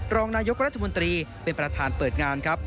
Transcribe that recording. รองนายกรัฐมนตรีเป็นประธานเปิดงานครับ